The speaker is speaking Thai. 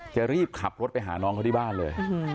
จะรีบขับรถไปหาน้องเขาที่บ้านเลย